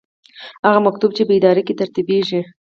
هغه مکتوب چې په اداره کې ترتیبیږي.